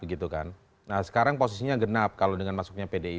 sekarang posisinya genap kalau dengan masuknya pdi